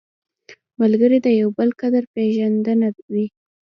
ملګری د یو بل قدر پېژندنه وي